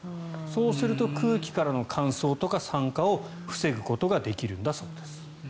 そうすると空気からの乾燥とか酸化を防ぐことができるんだそうです。